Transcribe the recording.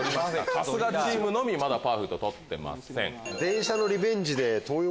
春日チームのみまだパーフェクト取ってません。